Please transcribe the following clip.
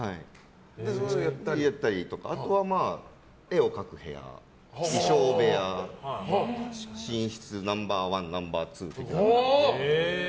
あとは、絵を描く部屋衣装部屋寝室ナンバー１、ナンバー２とか。